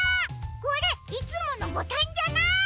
これいつものボタンじゃない！